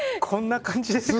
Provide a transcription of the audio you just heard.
こんな感じで。